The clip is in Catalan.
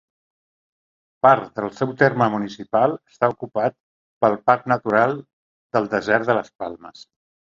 Part del seu terme municipal està ocupat pel Parc Natural del Desert de les Palmes.